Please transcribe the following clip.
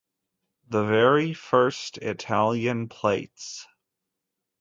The very first Italian plates.